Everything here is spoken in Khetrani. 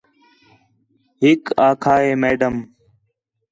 ہِک آکھا ہے میڈم